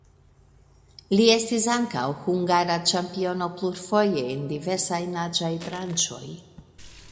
Li estis ankaŭ hungara ĉampiono plurfoje en diversaj naĝaj branĉoj.